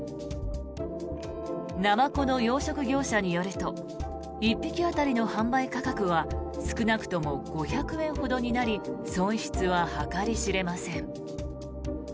ナマコの養殖業者によると１匹当たりの販売価格は少なくとも５００円ほどになり損失は計り知れません。